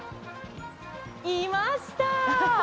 いました！